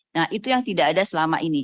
nah itu yang tidak ada selama ini